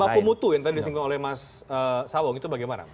soal maku mutu yang tadi disinggung oleh mas awang itu bagaimana